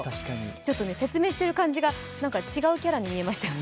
ちょっと説明してる感じが違うキャラに見えましたよね。